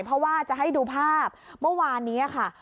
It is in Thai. เพราะว่าจะให้ดูภาพเมื่อวานนี้ค่ะ